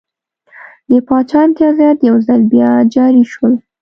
د پاچا امتیازات یو ځل بیا جاري شول.